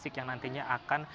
dan juga tempat penyelidikan